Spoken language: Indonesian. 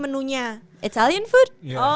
menunya italian food